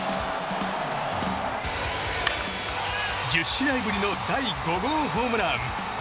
１０試合ぶりの第５号ホームラン。